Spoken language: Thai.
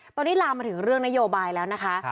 ตอนนี้ลามมาถึงเรื่องนโยบายแล้วนะคะ